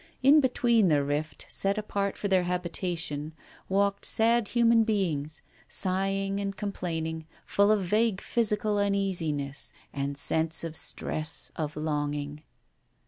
In between the rift set apart for their habitation, walked sad human beings, sighing and com plaining, full of vague physical uneasiness and sense of stress of longing.